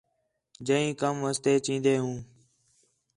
جئے کم واسطے چین٘دے ہوں